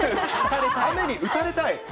雨に打たれたい？